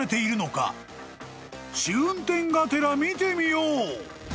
［試運転がてら見てみよう］